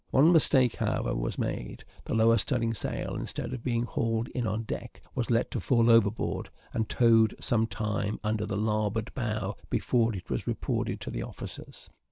One mistake, however, was made; the lower studding sail, instead of being hauled in on deck, was let to fall overboard, and towed some time under the larboard bow before it was reported to the officers.